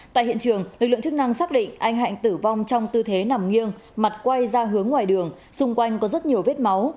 tại hiện trường lực lượng chức năng xác định anh hạnh tử vong trong tư thế nằm nghiêng mặt quay ra hướng ngoài đường xung quanh có rất nhiều vết máu